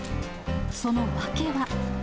その訳は。